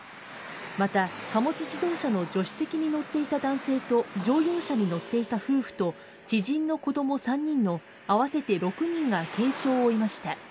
また、貨物自動車の助手席に乗っていた男性と乗用車に乗っていた夫婦と知人の子供３人の合わせて６人が軽傷を負いました。